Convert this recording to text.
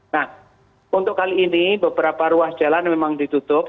nah untuk kali ini beberapa ruas jalan memang ditutup